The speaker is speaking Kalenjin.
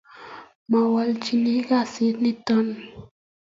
mawalchi kesit neton